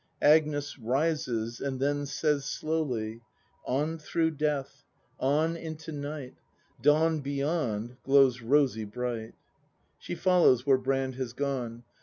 Agnes. [Rises, and then says slowly:] On through Death. On into Night. — Dawn beyond glows rosy bright. [She follows, where Brand has gone.